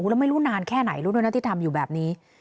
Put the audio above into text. แล้วไม่รู้นานแค่ไหนรู้ด้วยนะที่ทำอยู่แบบนี้